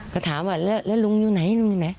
ก็ถามว่าแล้วลุงอยู่ไหน